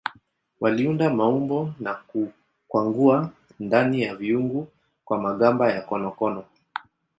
Waliunda maumbo na kukwangua ndani ya viungu kwa magamba ya konokono.